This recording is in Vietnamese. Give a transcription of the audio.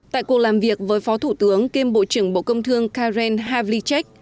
tại cuộc làm việc với phó thủ tướng kiêm bộ trưởng bộ công thương karen havichek